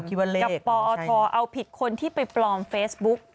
กับปอทเอาผิดคนที่ไปปลอมเฟซบุ๊ก